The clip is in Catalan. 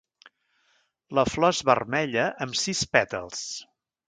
La flor és vermella amb sis pètals.